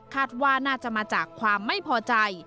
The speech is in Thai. ว่าน่าจะมาจากความไม่พอใจ